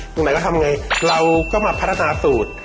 ตรงไหนเขาทำยังไงเราก็มาพัฒนาสูตร